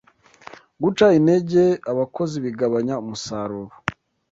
guca intege abakozi bigabanya umusaruro